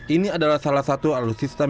ini adalah salah satu alutsista